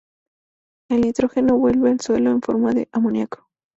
El nitrógeno vuelve al suelo en forma de amoníaco.